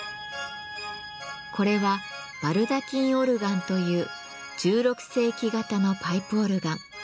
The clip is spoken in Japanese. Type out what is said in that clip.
これは「バルダキンオルガン」という１６世紀型のパイプオルガン。